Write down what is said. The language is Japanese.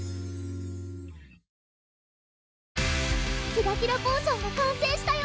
キラキラポーションが完成したよ